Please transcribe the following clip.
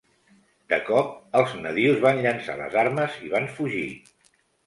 De cop, els nadius van llençar les armes i van fugir.